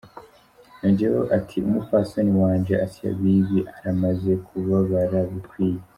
Yongeyeko ati:"Umupfasoni wanje, Asia Bibi, aramaze kubabara bikwiye.